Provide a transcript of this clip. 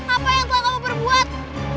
apa yang telah kamu berbuat